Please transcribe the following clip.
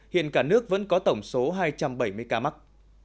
hiện cả nước vẫn có tổng số hai trăm bảy mươi ca mắc